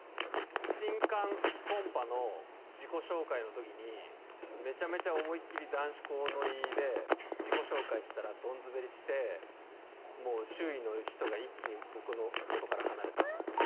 新歓コンパの自己紹介のときにめちゃめちゃ思い切り男子校ノリで自己紹介したらドンズベリしてもう周囲の人が一気に僕の元から離れた。